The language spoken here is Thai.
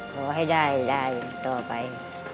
ขอให้ได้ต่อไป